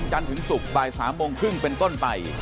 ถึงศุกร์บ่าย๓โมงครึ่งเป็นต้นไป